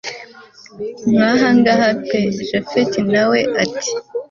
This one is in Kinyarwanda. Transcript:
nkahangaha pe japhet nawe ati